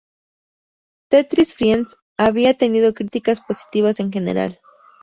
Tetris Friends habia tenido críticas positivas en general.